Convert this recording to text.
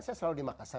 saya selalu di makassar